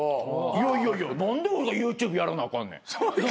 いやいやいや何で俺がＹｏｕＴｕｂｅやらなあかんねん。